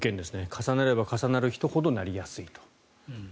重なれば重なる人ほどなりやすいと。